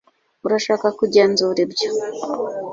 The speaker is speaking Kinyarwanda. urashaka kugenzura ibyo